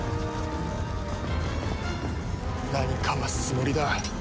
何かますつもりだ？